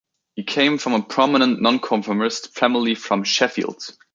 He came from a prominent nonconformist family from Sheffield.